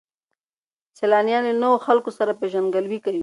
سیلانیان له نویو خلکو سره پیژندګلوي کوي.